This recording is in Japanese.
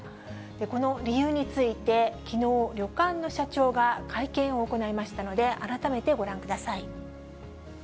この理由について、きのう、旅館の社長が会見を行いましたので、改めてご覧ください。